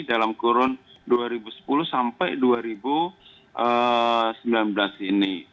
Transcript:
dalam kurun dua ribu sepuluh sampai dua ribu sembilan belas ini